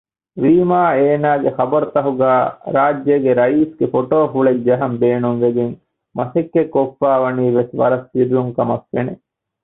ވީމާ އޭނާގެ ޚަބަރުތަކުގައި ރާއްޖޭގެ ރައީސްގެ ފޮޓޯފުޅެއް ޖަހަން ބޭނުންވެގެން މަސައްކަތްކޮށްފައިވަނީވެސް ވަރަށް ސިއްރުންކަމަށްފެނެ